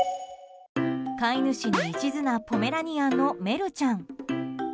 飼い主に一途なポメラニアンのメルちゃん。